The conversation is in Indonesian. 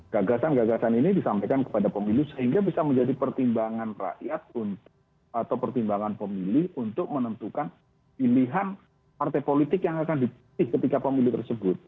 gagasan gagasan ini disampaikan kepada pemilu sehingga bisa menjadi pertimbangan rakyat untuk atau pertimbangan pemilih untuk menentukan pilihan partai politik yang akan dipilih ketika pemilu tersebut